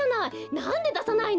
なんでださないの？